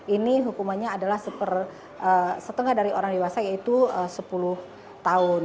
ini hukumannya adalah setengah dari orang dewasa yaitu sepuluh tahun